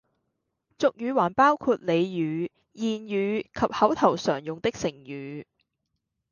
俗語還包括俚語、諺語及口頭常用的成語